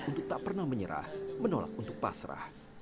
untuk tak pernah menyerah menolak untuk pasrah